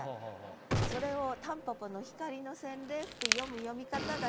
それを「たんぽぽの光の洗礼」って読む読み方が１つ。